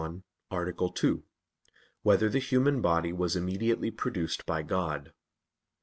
91, Art. 2] Whether the Human Body Was Immediately Produced by God?